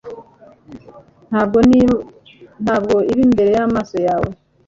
Ntabwo iba imbere y'amaso yawe